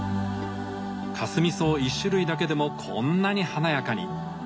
かすみ草１種類だけでもこんなに華やかに。